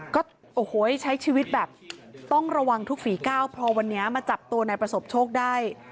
ก็โอ้โหใช้ชีวิตแบบต้องระวังทุกฝีก้าวพอวันนี้มาจับตัวนายประสบโชคได้